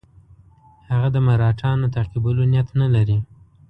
هغه د مرهټیانو تعقیبولو نیت نه لري.